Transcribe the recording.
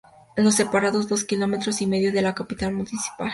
Le separan dos kilómetros y medio de la capital municipal.